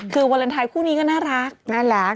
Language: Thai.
คือวาเลนไทยคู่นี้ก็น่ารักน่ารัก